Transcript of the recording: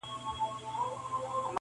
پیسه داره بس واجب د احترام دي,